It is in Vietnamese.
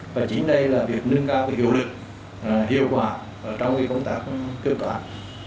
và chính đây là việc nâng cao hiệu quả trong công tác kiểm toán